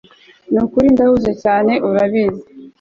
Nukuri ndahuze cyane urabizi